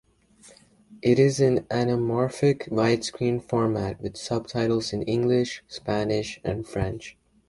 It is in anamorphic widescreen format with subtitles in English, Spanish, and French.